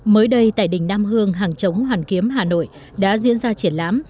mới đây tại đình nam hương hàng chống hoàn kiếm hà nội đã diễn ra triển lãm